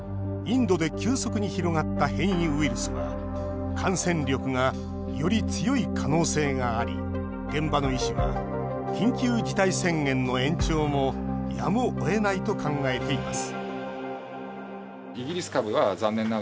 さらに、インドで急速に広がった変異ウイルスは感染力が、より強い可能性があり現場の医師は緊急事態宣言の延長もやむをえないと考えています